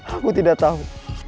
aku tidak tahu